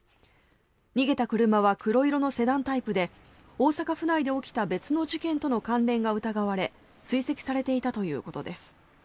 逃げた車は黒色のセダンタイプで大阪府内で起きた別の事件との関連が疑われ追跡されていたということです。